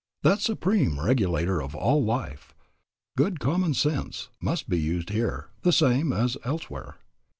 That supreme regulator of all life, good common sense, must be used here, the same as elsewhere.